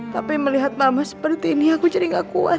tapi melihat mama seperti ini aku jadi gak kuat